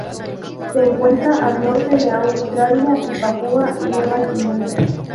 Se encuentra al norte de Australia y Papúa Nueva Guinea.